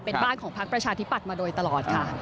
เป็นบ้านของพักประชาธิปัตย์มาโดยตลอดค่ะ